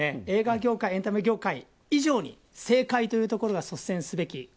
映画業界、エンタメ業界以上に政界というところが率先すべき。